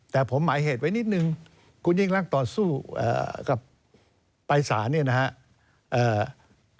แต่ผมหมายเหตุไว้นิดนึงคุณยิ่งรักษ์ต่อสู้กับปรายศาสตร์